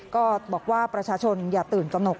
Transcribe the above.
ก็บอกว่าประชาชนอย่าตื่นตนก